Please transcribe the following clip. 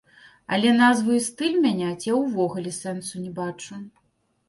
Але назву і стыль мяняць я ўвогуле сэнсу не бачу.